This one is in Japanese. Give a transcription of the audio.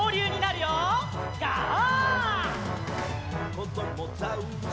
「こどもザウルス